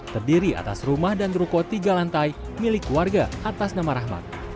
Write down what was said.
terdiri atas rumah dan ruko tiga lantai milik warga atas nama rahmat